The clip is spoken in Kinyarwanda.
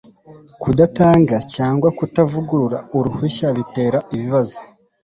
kudatanga cyangwa kutavugurura uruhushya bitera ibibazol